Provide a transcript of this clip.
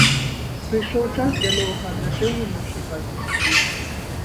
Прыйшоў час для новага адраджэння нашай бацькаўшчыны.